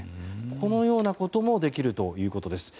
このようなこともできるということです。